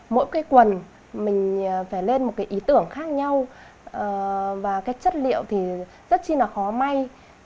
mỗi cái quần mình phải lên một cái ý tưởng khác nhau và cái chất liệu thì rất chi là khó may